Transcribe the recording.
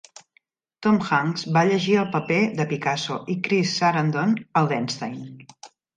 Tom Hanks va llegir el paper de Picasso i Chris Sarandon el d'Einstein.